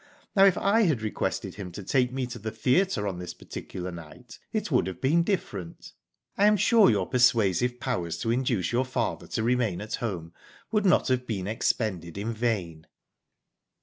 Now if I had requested him to take me to the theatre on this particular night it would have been different. I am sure your persuasive powers to induce your father to remain at home would not have been expended in vain."